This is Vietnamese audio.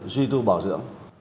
duy tư bảo dưỡng